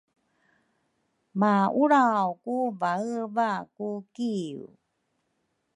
Maulraw ku vaeva ku kiu